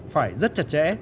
phải rất chặt chẽ